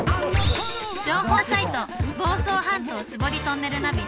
情報サイト「房総半島素掘りトンネルナビ」